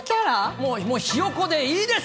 もう、ひよこでいいです。